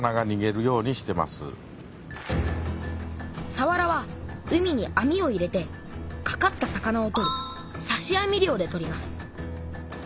さわらは海に網を入れてかかった魚を取るさし網漁で取ります